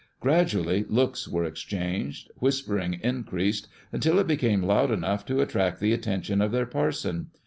Gradually looks were exchanged ; whispering increased, until it became loud enough to attract the attention of their parson.